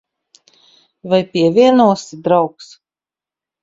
Vai pievienosi, draugs?